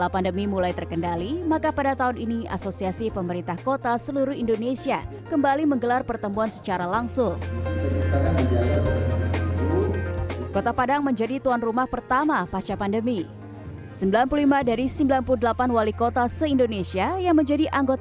pemerintah kota padang